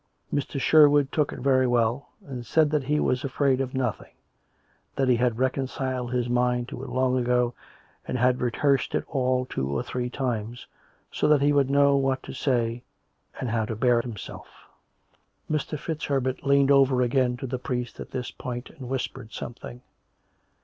Mr. Sherwood took it very well, and said that he was afraid of nothing, that he had reconciled his mind to it long ago, and had COME RACK! COME ROPE! 105 rehearsed it all two or three times^ so that he would know what to say and how to bear hims'elf." Mr. FitzHerbert leaned over again to the priest at this point and whispered something.